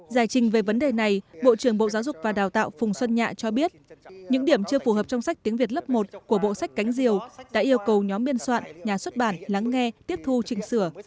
giải trình về vấn đề này bộ trưởng bộ giáo dục và đào tạo phùng xuân nhạ cho biết những điểm chưa phù hợp trong sách tiếng việt lớp một của bộ sách cánh diều đã yêu cầu nhóm biên soạn nhà xuất bản lắng nghe tiếp thu trình sửa